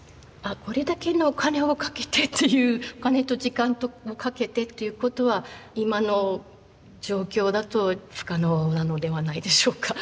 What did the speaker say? これだけのお金をかけてというお金と時間をかけてということは今の状況だと不可能なのではないでしょうか。